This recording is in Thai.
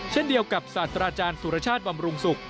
เช่นเดียวกับศาสตราจารย์สุรชาติบำรุงศุกร์